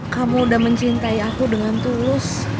kamu udah mencintai aku dengan tulus